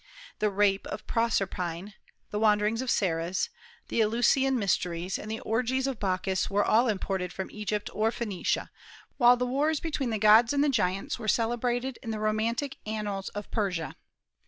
The rape of Proserpine, the wanderings of Ceres, the Eleusinian mysteries, and the orgies of Bacchus were all imported from Egypt or Phoenicia, while the wars between the gods and the giants were celebrated in the romantic annals of Persia.